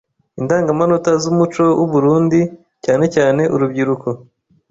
Indangamanota z’umuco w’u Burunndi cyane cyane urubyiruko.